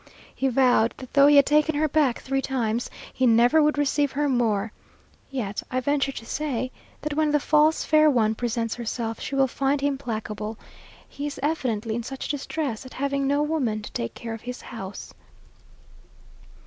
He vowed that though he had taken her back three times, he never would receive her more; yet I venture to say, that when the false fair one presents herself, she will find him placable; he is evidently in such distress at having no woman to take care of his house.